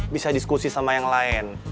bisa diskusi sama yang lain